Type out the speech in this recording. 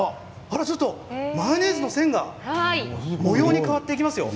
マヨネーズの線が模様に変わっていきますよ。